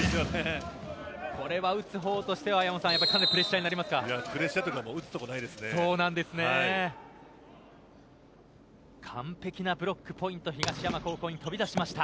これは打つ方としてはかなりプレッシャーにプレッシャーというか完璧なブロックポイント東山高校に飛び出しました。